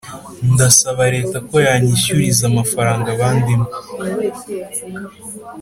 ndasaba reta ko yanyishyuriza amafaranga bandimo